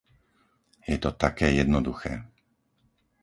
Je to také jednoduché.